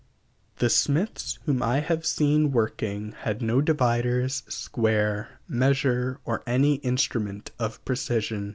The smiths whom I have seen working had no dividers, square, measure, or any instrument of precision.